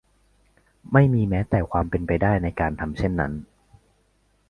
ไม่มีแม้แต่ความเป็นไปได้ในการทำเช่นนั้น